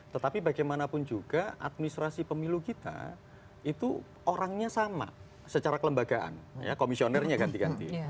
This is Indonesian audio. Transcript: tetapi bagaimanapun juga administrasi pemilu kita itu orangnya sama secara kelembagaan komisionernya ganti ganti